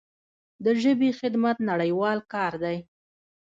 د ژبې خدمت نړیوال کار دی.